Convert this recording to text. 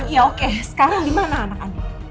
ya oke sekarang gimana anak anak